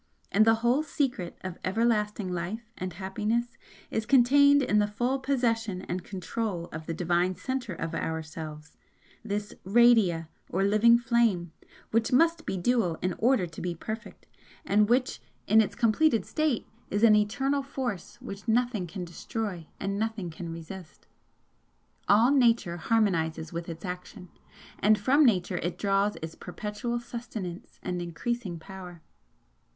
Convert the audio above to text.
And the whole Secret of Everlasting Life and Happiness is contained in the full possession and control of the Divine Centre of ourselves this 'Radia' or living flame, which must be DUAL in order to be perfect, and which in its completed state, is an eternal Force which nothing can destroy and nothing can resist. All Nature harmonises with its action, and from Nature it draws its perpetual sustenance and increasing power.